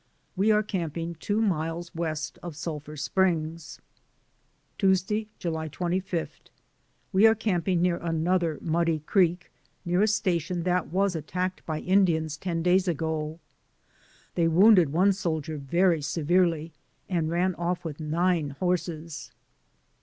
We are camping two miles west of Sulphur Springs. Tuesday, July 25. We are camping near another muddy creek near a station that was attacked by Indians ten days ago ; they wounded one sol dier very severely and ran off with nine horses.